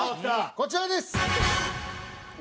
こちらです。